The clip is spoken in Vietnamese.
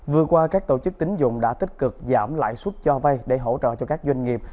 vừa qua các tổ chức tính dụng đã tích cực giảm lãi suất cho vay để hỗ trợ cho các doanh nghiệp